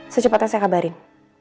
secepatnya saya kabarin